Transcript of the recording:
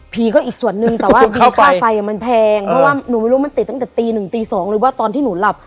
ก็อีกส่วนนึงแต่ว่าค่าไฟมันแพงเพราะว่าหนูไม่รู้มันติดตั้งแต่ตีหนึ่งตี๒หรือว่าตอนที่หนูหลับ